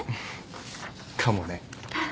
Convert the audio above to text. かもね。